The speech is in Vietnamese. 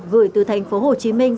gửi từ thành phố hồ chí minh